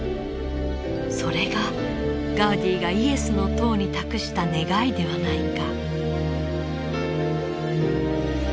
それがガウディがイエスの塔に託した願いではないか。